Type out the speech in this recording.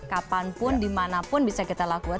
kapanpun dimanapun bisa kita lakukan